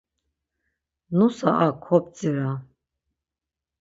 Nusa a kobdzira.